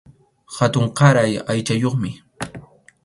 Hatunkaray aychayuqmi.